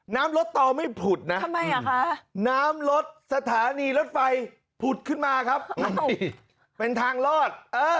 น้ำรถต่อไม่ผุดนะทำไมอ่ะคะน้ำรถสถานีรถไฟผุดขึ้นมาครับเป็นทางรอด